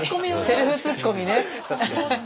セルフツッコミ上手ね。